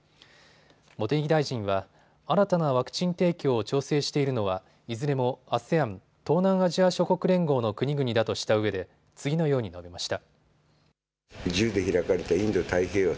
茂木大臣は新たなワクチン提供を調整しているのはいずれもＡＳＥＡＮ・東南アジア諸国連合の国々だとしたうえで次のように述べました。